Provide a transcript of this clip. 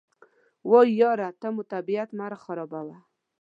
وایي یاره ته مو طبیعت مه راخرابوه.